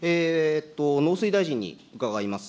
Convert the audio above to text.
農水大臣に伺います。